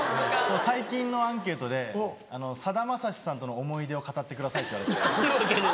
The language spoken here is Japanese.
最近のアンケートで「さだまさしさんとの思い出を語ってください」っていわれて。